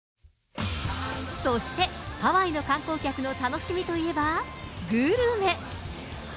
そして、ハワイの観光客の楽しみといえばグルメ。